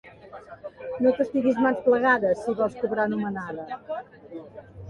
No t'estiguis mans plegades, si vols cobrar anomenada.